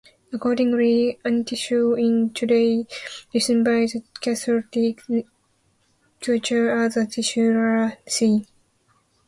Accordingly, Antium is today listed by the Catholic Church as a titular see.